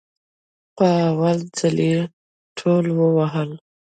په اول ځل يي ټول ووهل